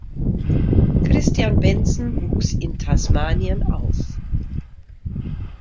Christian Benson wuchs in Tasmanien auf.